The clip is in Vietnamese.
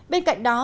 bên cạnh đó